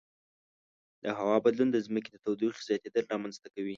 د هوا بدلون د ځمکې د تودوخې زیاتیدل رامنځته کوي.